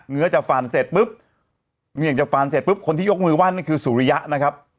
เนื้อจะฟันเสร็จปุ๊บเนี่ยจะฟันเสร็จปุ๊บคนที่ยกมือว่านั่นคือสุริยะนะครับ